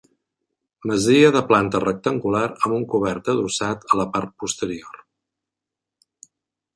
Masia de planta rectangular amb un cobert adossat a la part posterior.